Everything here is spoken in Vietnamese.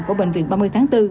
của bệnh viện ba mươi tháng bốn